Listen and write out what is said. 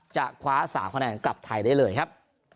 จะคว้า๓คะแนนกลับไทยได้เลยครับ